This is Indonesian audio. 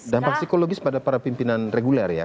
dampak psikologis pada para pimpinan reguler ya